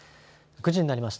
９時になりました。